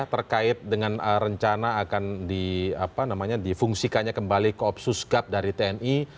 terkait dengan rencana akan difungsikannya kembali koopsus gap dari tni